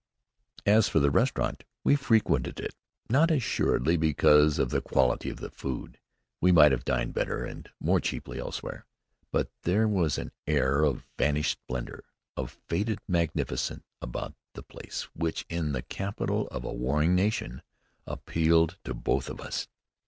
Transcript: As for the restaurant, we frequented it, not assuredly because of the quality of the food. We might have dined better and more cheaply elsewhere. But there was an air of vanished splendor, of faded magnificence, about the place which, in the capital of a warring nation, appealed to both of us.